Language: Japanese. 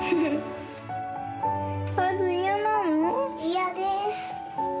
・嫌です。